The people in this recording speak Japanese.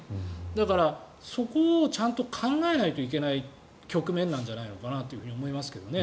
だから、そこをちゃんと考えないといけない局面なんじゃないかと思いますけどね。